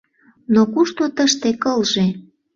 Но кушто тыште кылже?